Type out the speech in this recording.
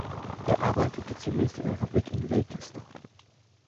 Er arbeitete zunächst in einer Fabrik in Leicester.